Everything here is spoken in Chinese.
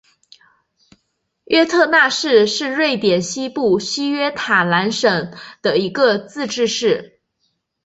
约特讷市是瑞典西部西约塔兰省的一个自治市。